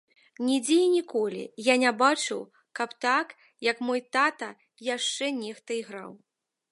Нідзе і ніколі я не бачыў, каб так, як мой тата, яшчэ нехта іграў.